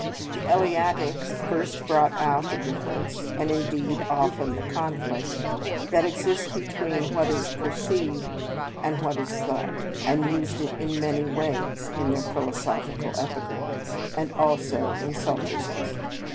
The Eleatics first brought out the difference, and indeed often the conflict, that exists between what is perceived, φαινομενον,(21) and what is thought, νουμενον, and used it in many ways in their philosophical epigrams, and also in sophisms.